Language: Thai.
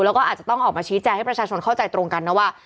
แล้วก็อาจจะต้องออกมาชี้แจงให้ประชาชนเข้าใจตรงกันนะว่า